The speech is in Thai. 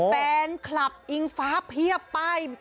แฟนคลับอิงฟ้าเพียบป้าย